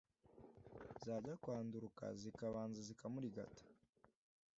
Zajya kwanduruka zikabanza zikamurigata